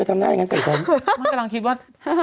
มันกำลังคิดว่า